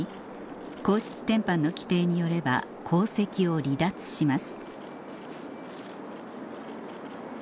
皇室典範の規定によれば皇籍を離脱します